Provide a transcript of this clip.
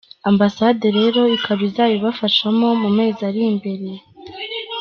Ambasade rero ikaba izabibafashamo mu mezi ari imbere.